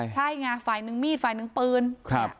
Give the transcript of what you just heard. ใช่ไงฝ่ายหนึ่งมีดฝ่ายหนึ่งปืนครับ